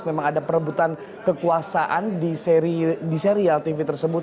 memang ada perebutan kekuasaan di serial tv tersebut